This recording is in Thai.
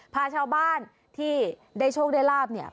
พาชาวบ้านที่ได้โชคได้ลาบเนี่ย